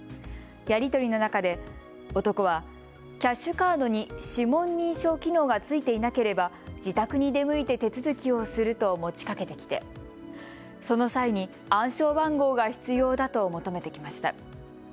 やり取りの中で男はキャッシュカードに指紋認証機能が付いていなければ自宅に出向いて手続きをすると持ちかけてきてその際に暗証番号が必要だと求めてきました。